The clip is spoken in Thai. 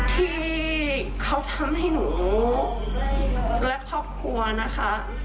ที่เขาทำให้หนูและครอบครัวนะคะ